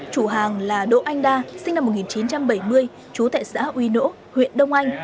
chủ hàng là đỗ anh đa sinh năm một nghìn chín trăm bảy mươi chú tại xã uy nỗ huyện đông anh